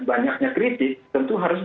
banyaknya kritik tentu harus